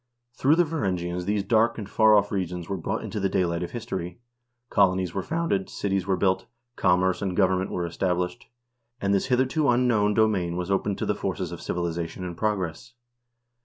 Through the Varangians these dark and far off regions were brought into the daylight of history ; colonies were founded, cities were built, commerce and government were established, and this hitherto unknown domain was opened to the forces of civilization and progress.